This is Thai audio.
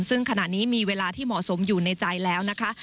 ซึ่งขณะนี้มีเวลาที่เหมาะสมอยู่ในใจแล้วนะคะ